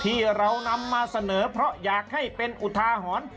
ที่เรานำมาเสนอเพราะอยากให้เป็นอุทาหรณ์